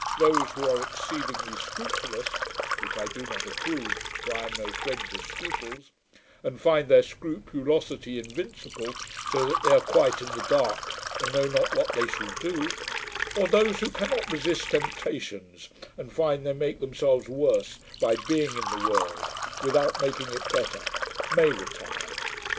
Those who are exceedingly scrupulous (which I do not approve, for I am no friend to scruples), and find their scrupulosity invincible, so that they are quite in the dark, and know not what they shall do, or those who can not resist temptations, and find they make themselves worse by being in the world, without making it better, may retire.